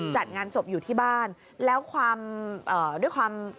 จัดงานศพอยู่ที่บ้านแล้วด้วยความ